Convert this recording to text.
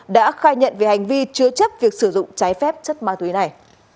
đã khai nhận về hành vi chứa chấp việc sử dụng trái phép chất ma túy này